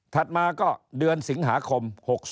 มาก็เดือนสิงหาคม๖๒